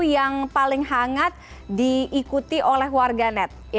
yang paling hangat diikuti oleh warga net